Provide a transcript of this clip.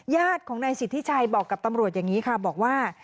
ญาติของนายสิทธิชัยบอกกับตำรวจอย่างนี้ค่ะบอกว่า